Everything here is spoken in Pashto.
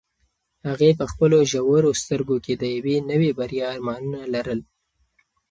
هغې په خپلو ژورو سترګو کې د یوې نوې بریا ارمانونه لرل.